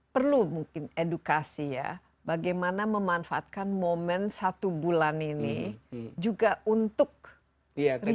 perlu mungkin edukasi ya bagaimana memanfaatkan momen satu bulan ini juga untuk riset